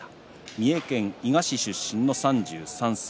三重県伊賀市出身の３３歳。